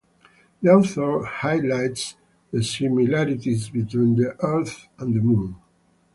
The author highlights the similarities between the Earth and the Moon.